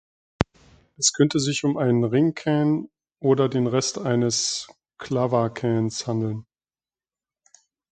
Es könnte sich um einen Ring Cairn oder den Rest eines Clava Cairns handeln.